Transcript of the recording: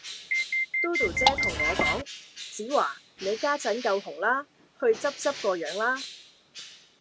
Dodo 姐同我講：子華，你家陣夠紅啦，去執執個樣啦